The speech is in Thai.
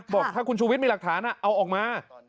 บอกถ้าคุณชูวิทย์มีหลักฐานเอาออกมา